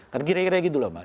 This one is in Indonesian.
kan kira kira gitu pak